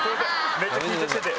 めっちゃ緊張してて。